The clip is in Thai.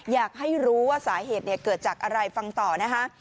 อยากให้รู้ว่าสาเหตุเกิดจากอะไรฟังต่อนะคะ